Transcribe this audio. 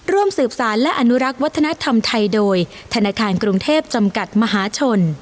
ร่วมสืบสารและอนุรักษ์วัฒนธรรมไทยโดยธนาคารกรุงเทพจำกัดมหาชน